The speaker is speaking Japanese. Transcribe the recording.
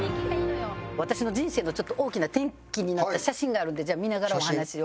私の人生の大きな転機になった写真があるのでじゃあ見ながらお話を。